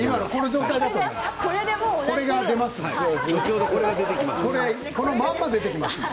これが出ますから。